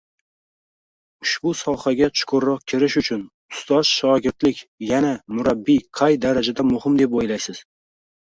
Ushbu sohaga chuqurroq kirish uchun ustoz-shogirdlik, yana murabbiy qay darajada muhim deb oʻylaysiz?